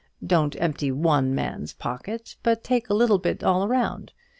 Don't empty one man's pocket, but take a little bit all round.